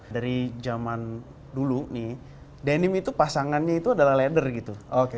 dari zaman dulu nih denim itu pasangannya itu adalah leather gitu